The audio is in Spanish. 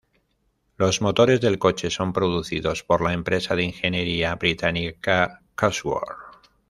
Los motores del coche son producidos por la empresa de ingeniería británica Cosworth.